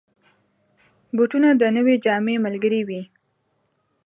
بوټونه د نوې جامې ملګري وي.